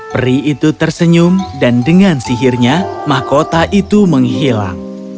peri itu tersenyum dan dengan sihirnya mahkota itu menghilang